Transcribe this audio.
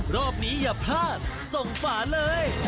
รอบนี้อย่าพลาดส่งฝาเลย